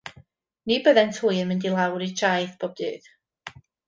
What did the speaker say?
Ni byddent hwy yn mynd i lawr i'r traeth bob dydd.